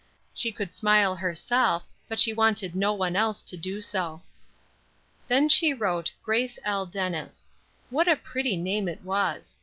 She could smile herself, but she wanted no one else to do so. Then she wrote "Grace L. Dennis." What a pretty name that was.